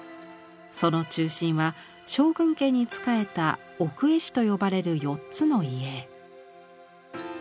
その中心は将軍家に仕えた「奥絵師」と呼ばれる４つの家。